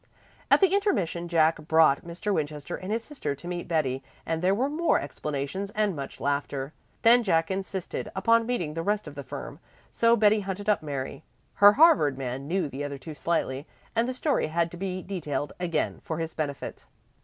At the intermission Jack brought Mr. Winchester and his sister to meet Betty, and there were more explanations and much laughter. Then Jack insisted upon meeting the rest of the firm, so Betty hunted up Mary. Her Harvard man knew the other two slightly, and the story had to be detailed again for his benefit.